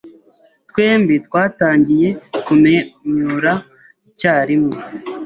Twembi twatangiye kumwenyura icyarimwe.